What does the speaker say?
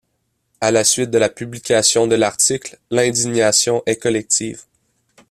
À la suite de la publication de l'article, l'indignation est collective.